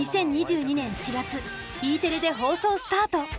２０２２年４月Ｅテレで放送スタート。